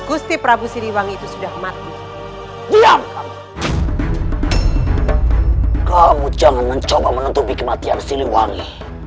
gusti prabu siliwangi itu sudah mati ulang kamu jangan mencoba menutupi kematian siliwangi